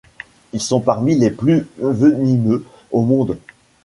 Ils sont parmi les plus venimeux au monde.